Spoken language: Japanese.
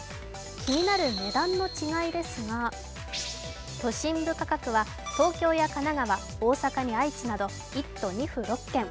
気になる値段の違いですが都心部価格は東京や神奈川、大阪に愛知など１都２府６県。